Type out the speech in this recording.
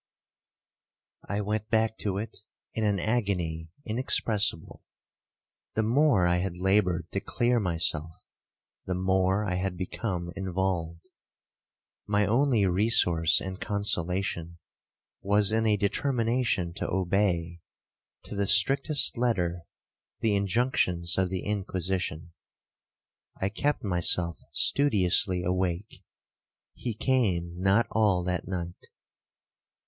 'I went back to it in an agony inexpressible. The more I had laboured to clear myself, the more I had become involved. My only resource and consolation was in a determination to obey, to the strictest letter, the injunctions of the Inquisition. I kept myself studiously awake,—he came not all that night.